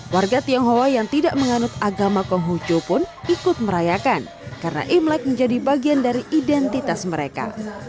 warga tionghoa yang tidak menganut agama konghucu pun ikut merayakan karena imlek menjadi bagian dari identitas mereka